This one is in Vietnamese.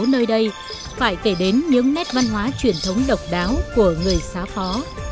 nơi đây phải kể đến những nét văn hóa truyền thống độc đáo của người xa phó